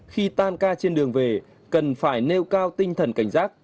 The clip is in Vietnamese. khi tan ca trên đường về cần phải nêu cao tinh thần cảnh giác